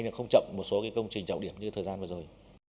nhưng không chậm một số công trình trọng điểm như thời gian vừa rồi